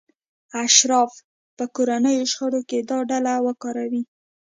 اشراف به کورنیو شخړو کې دا ډله وکاروي.